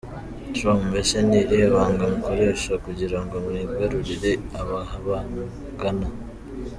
com: Mbese ni irihe banga mukoresha kugira ngo mwigarurire ababagana?.